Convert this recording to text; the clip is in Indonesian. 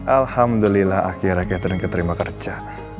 alhamdulillah akhir akhir aku diterima kerja